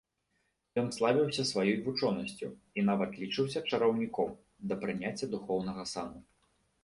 Ян славіўся сваёй вучонасцю, і нават лічыўся чараўніком, да прыняцця духоўнага сану.